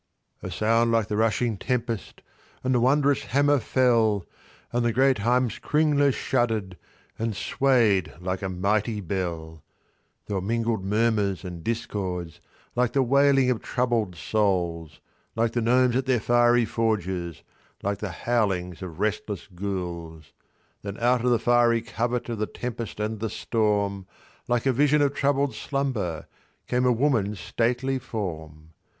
A sound like the rushing tempest, and the won drous hammer fell, And the great Heimskringla shuddered, and swayed like a mighty bell. There were mingled murmurs and discords, like the wailing of troubled souls ; Like the gnomes at their liery forges like the bowlings of restless ghouls. Then out of the fiery covert of the tempest and the storm, Like a vision of troubled slumber, came a woman s stately form.